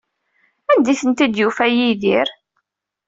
Anda ay tent-id-yufa Yidir?